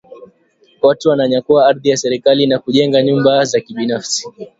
Watu wananyakua ardhi ya serikali na kujenga nyumba za kibinafsi